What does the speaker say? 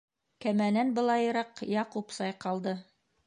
Кәмәнән былайыраҡ Яҡуп сайҡалды.